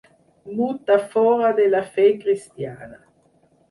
Muta fora de la fe cristiana.